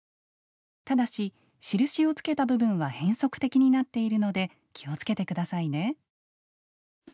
ただし印をつけた部分は変則的になっているので気をつけてくださいね。